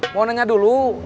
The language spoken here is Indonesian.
mau denger dulu